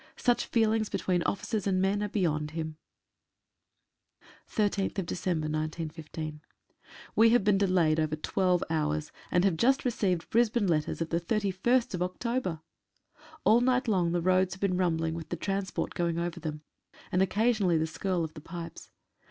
Such feelings between officer and men are beyond him. «> 3 «• 13/12/15. E have been delayed over twelve hours, and have just received Brisbane letters of the 31st October. All night long the roads have been rumbling with the transport going over them, and occasionally the skirl of the pipes.